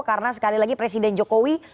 karena sekali lagi presiden jokowi